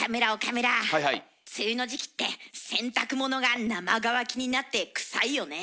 梅雨の時期って洗濯物が生乾きになってくさいよねえ。